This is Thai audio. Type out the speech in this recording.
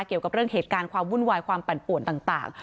เกี่ยวกับเรื่องเหตุการณ์ความวุ่นวายความปั่นป่วนต่าง